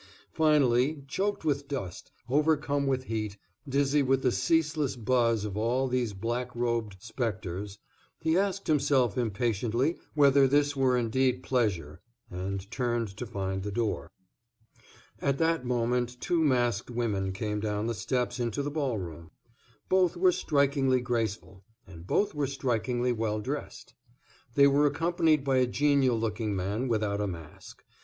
Finally, choked with dust, overcome with heat, dizzy with the ceaseless buzz of all these black robed specters, he asked himself impatiently whether this were indeed pleasure, and turned to find the door. At that moment two masked women came down the steps into the ballroom. Both were strikingly graceful, and both were strikingly well dressed. They were accompanied by a genial looking man without a mask.